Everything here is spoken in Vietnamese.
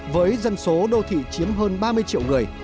với dân số đô thị chiếm hơn ba mươi triệu người